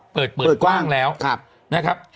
เปิดเปิดกว้างแล้วนะครับ